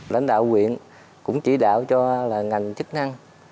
lãnh đạo huyện cũng chỉ đạo cho ngành chức năng